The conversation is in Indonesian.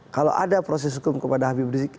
kalau ada proses hukum kepada habib rizik